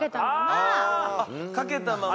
「あっかけたまま」